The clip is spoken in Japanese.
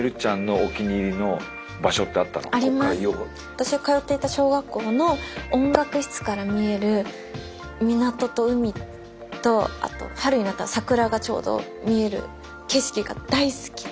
私が通っていた小学校の音楽室から見える港と海とあと春になったら桜がちょうど見える景色が大好きで。